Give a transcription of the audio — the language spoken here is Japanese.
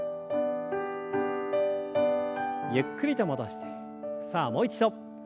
ゆっくりと戻してさあもう一度。